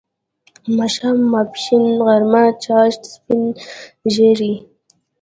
ماښام، ماپښین، غرمه، چاښت، سپین ږیری